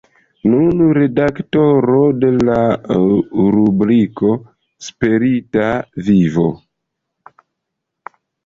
Nuna redaktoro de la rubriko Spirita Vivo.